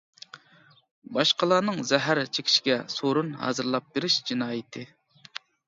باشقىلارنىڭ زەھەر چېكىشىگە سورۇن ھازىرلاپ بېرىش جىنايىتى.